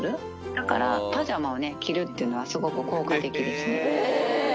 だから、パジャマを着るっていうのは、すごく効果的ですね。